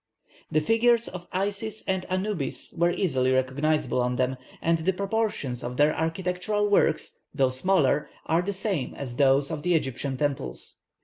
The figures of Isis and Anubis are easily recognizable on them, and the proportions of their architectural works, though smaller, are the same as those of the Egyptian temples.